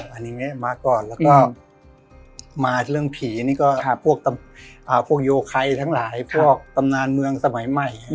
อันนี้มาก่อนแล้วก็มาเรื่องผีนี่ก็พวกโยไคทั้งหลายพวกตำนานเมืองสมัยใหม่